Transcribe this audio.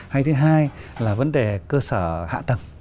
hay thứ hai là vấn đề cơ sở hạ tầng